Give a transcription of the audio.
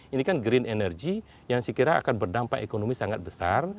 ini kan green energy yang saya kira akan berdampak ekonomi sangat besar